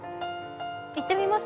言ってみます？